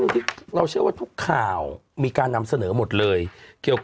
เขาบอกพี่มดเค้ามาอย่างนี้